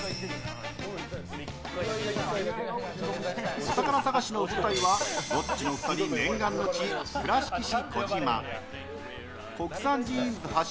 お宝探しの舞台はロッチの２人念願の地倉敷市